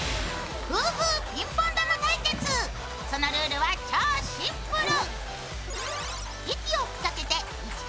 そのルールは超シンプル。